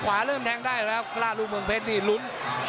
ขวาเริ่มแทงได้แล้วล่าลูกมงเพชรรุน